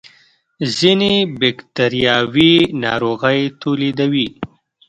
ځینې بکتریاوې ناروغۍ تولیدوي